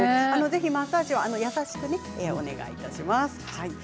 ぜひマッサージは優しくお願いします。